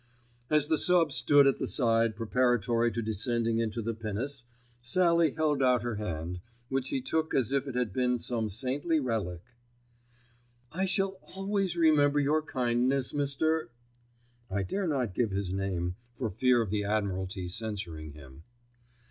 As the sub. stood at the side preparatory to descending into the pinnace, Sallie held out her hand, which he took as if it had been some saintly relic. "I shall always remember your kindness, Mr. ——" (I dare not give his name for fear of the Admiralty censuring him).